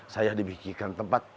saya dibikikan tempat